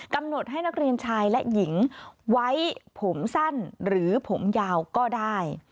กำหนดให้นักเรียนชายและหญิงไว้ผมสั้นหรือผมยาวก็ได้